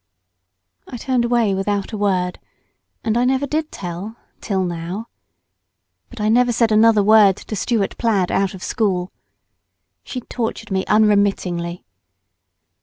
I turned away without a word, and I never did tell—till now. But I never said another word to Stuart plaid out of school. She tortured me unremittingly.